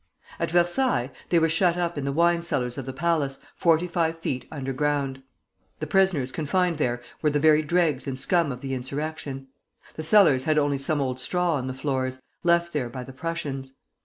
At Versailles they were shut up in the wine cellars of the palace, forty five feet underground. The prisoners confined there were the very dregs and scum of the insurrection. The cellars had only some old straw on the floors, left there by the Prussians.